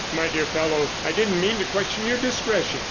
"My dear fellow, I didn't mean to question your discretion.